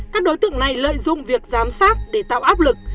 các đối tượng này lợi dụng việc giám sát để tạo áp lực